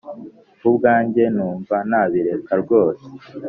Kubwanjye numva nabireka rwose